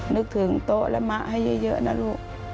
นึกถึงโต๊ะและมะให้เยอะนะลูก